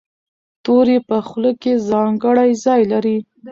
توری په خوله کې ځانګړی ځای لري.